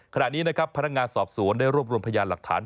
ขณะนี้นะครับพนักงานสอบสวนได้รวบรวมพยานหลักฐาน